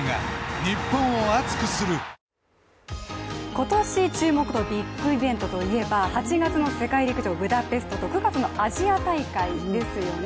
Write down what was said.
今年注目のビッグイベントといえば８月の世界陸上ブダペストと９月のアジア大会ですよね。